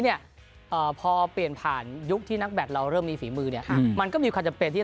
เนี่ยเอ่อพอเปลี่ยนผ่านยุคที่นักแบตเราเริ่มมีฝีมือเนี่ยมันก็มีความจำเป็นที่